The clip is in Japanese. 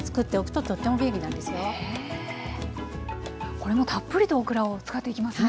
これもたっぷりとオクラを使っていきますね。